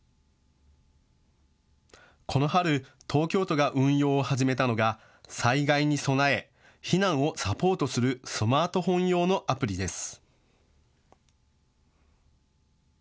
この春、東京都が運用を始めたのが災害に備え、避難をサポートするスマートフォン用のアプリです。